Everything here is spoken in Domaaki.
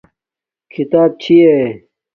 کھی تاپ چھݵی